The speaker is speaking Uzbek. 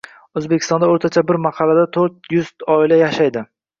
O‘zbekistonda o‘rtacha bir mahallada to'rt yuzta oila yashaydi.